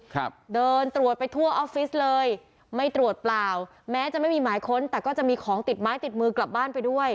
ครับเดินตรวจไปทั่วออฟฟิศเลยไม่ตรวจเปล่าแม้จะไม่มีหมายค้นแต่ก็จะมีของติดไม้ติดมือกลับบ้านไปด้วย